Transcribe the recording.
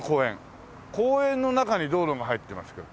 公園の中に道路が入ってますけど。